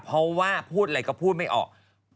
เพราะว่าพูดอะไรก็พูดไม่ออก